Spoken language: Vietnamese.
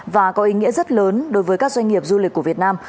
và có ý nghĩa rất lớn đối với các doanh nghiệp du lịch của việt nam